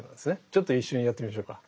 ちょっと一緒にやってみましょうか。